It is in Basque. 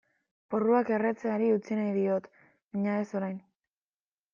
Porruak erretzeari utzi nahi diot baina ez orain.